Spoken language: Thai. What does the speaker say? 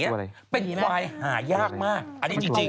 ที่จังกว่าอะไรเป็นควายหายากมากอันนี้จริง